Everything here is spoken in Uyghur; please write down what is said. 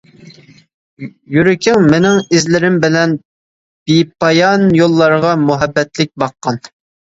يۈرىكىڭ مېنىڭ ئىزلىرىم بىلەن بىپايان يوللارغا مۇھەببەتلىك باققان.